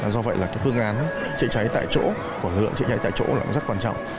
do vậy là cái phương án chạy cháy tại chỗ của lực lượng chạy cháy tại chỗ là rất quan trọng